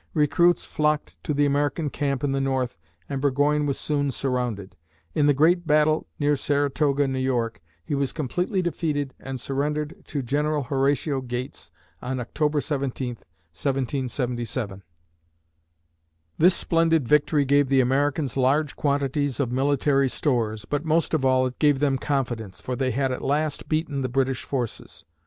Recruits flocked to the American camp in the North and Burgoyne was soon surrounded. In the great battle near Saratoga (N. Y.), he was completely defeated and surrendered to General Horatio Gates on October 17, 1777. This splendid victory gave the Americans large quantities of military stores, but most of all, it gave them confidence, for they had at last beaten the British forces.